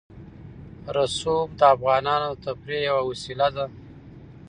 رسوب د افغانانو د تفریح یوه وسیله ده.